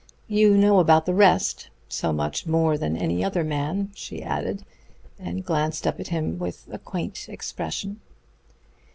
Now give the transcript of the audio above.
"You know about the rest so much more than any other man," she added; and glanced up at him with a quaint expression.